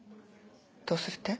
どうするって？